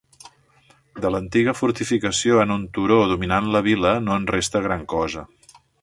De l'antiga fortificació en un turó dominant la vila, no en resta gran cosa.